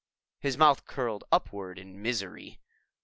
His mouth curled upward in misery.